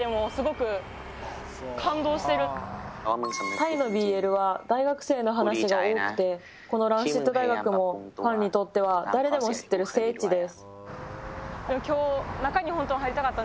タイのＢＬは大学生の話が多くてこのランシット大学もファンにとっては誰でも知ってる聖地です。